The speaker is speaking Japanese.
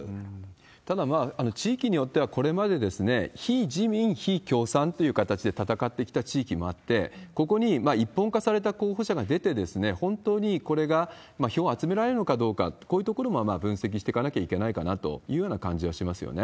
ただ、地域によってはこれまで非自民、非共産という形で戦ってきた地域もあって、ここに一本化された候補者が出て、本当にこれが票を集められるのかどうか、こういうところも分析していかなきゃいけないかなというような感じはしますよね。